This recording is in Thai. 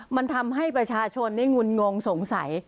มันทำให้ประชาชนนี่งุนงงสงสัย